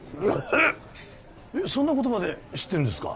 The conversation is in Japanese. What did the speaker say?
そんなことまで知ってるんですか？